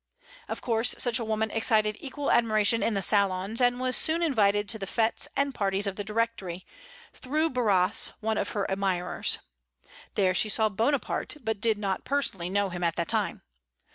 Of course, such a woman excited equal admiration in the salons, and was soon invited to the fêtes and parties of the Directory, through Barras, one of her admirers. There she saw Bonaparte, but did not personally know him at that time.